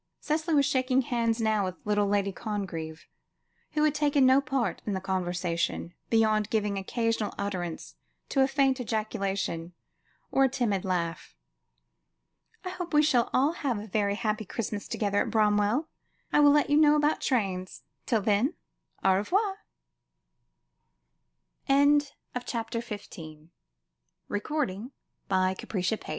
Cicely was shaking hands now with little Lady Congreve, who had taken no part in the conversation, beyond giving occasional utterance to a faint ejaculation, or a timid laugh. "I hope we shall all have a very happy Christmas together at Bramwell. I will let you know, about trains. Till then, au revoir." CHAPTER XVI. "MY MOTHER GAVE IT TO